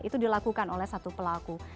itu dilakukan oleh satu pelaku